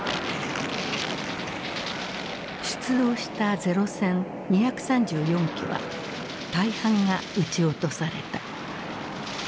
出動した零戦２３４機は大半が撃ち落とされた。